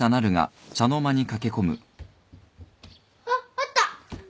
あっあった！